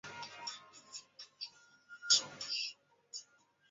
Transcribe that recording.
中国人民解放军国防大学联合战役学研究生学历。